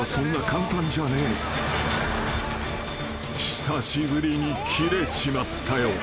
［久しぶりにキレちまったよ］